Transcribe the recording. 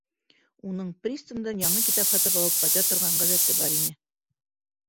Уның пристандән яңы китап һатып алып ҡайта торған ғәҙәте бар ине.